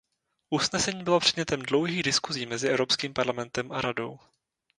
Usnesení bylo předmětem dlouhých diskusí mezi Evropským parlamentem a Radou.